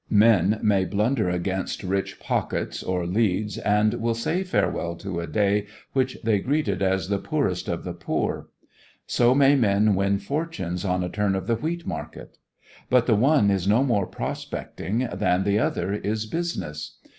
Men may blunder against rich pockets or leads and wealthy say farewell to a day which they greeted as the poorest of the poor. So may men win fortunes on a turn of the wheat market. But the one is no more prospecting than the other is business.